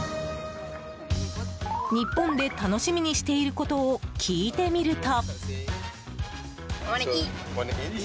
日本で楽しみにしていることを聞いてみると。